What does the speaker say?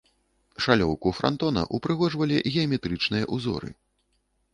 Шалёўку франтона ўпрыгожвалі геаметрычныя ўзоры.